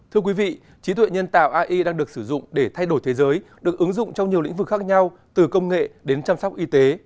thưa quý vị trí tuệ nhân tạo ai đang được sử dụng để thay đổi thế giới được ứng dụng trong nhiều lĩnh vực khác nhau từ công nghệ đến chăm sóc y tế